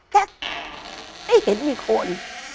แค่ไม่เห็นมีคน